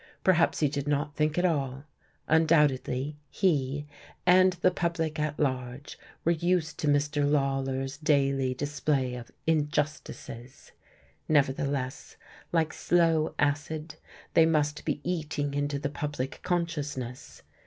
Perhaps he did not think at all: undoubtedly he, and the public at large, were used to Mr. Lawler's daily display of "injustices." Nevertheless, like slow acid, they must be eating into the public consciousness.